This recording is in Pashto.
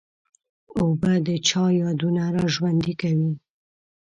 اوبه د چا یادونه را ژوندي کوي.